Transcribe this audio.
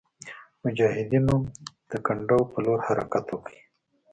مجاهدینو د کنډو پر لور حرکت وکړ.